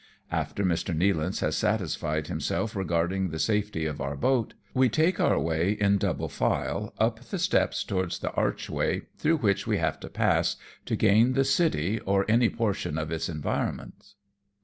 After Mr. Nealance has satisfied himself regard ing the safety of our boat, we take our way, in double file, up the steps towards the archway, through which we have to pass, to gain the city, or any portion of its environments.